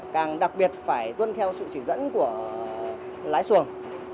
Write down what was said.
càng đặc biệt phải tuân theo sự chỉ dẫn của lái xuồng